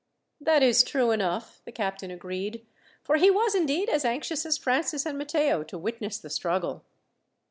"That is true enough," the captain agreed, for he was indeed as anxious as Francis and Matteo to witness the struggle.